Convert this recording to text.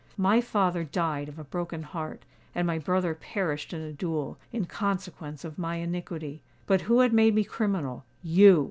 My father died of a broken heart, and my brother perished in a duel, in consequence of my iniquity. But who had made me criminal? _You!